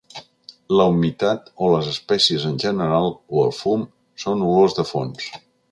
La humitat o les espècies en general o el fum són olors de fons.